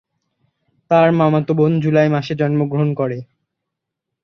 তার মামাতো বোন জুলাই মাসে জন্মগ্রহণ করে।